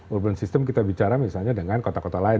urban system kita bicara misalnya dengan kota kota lain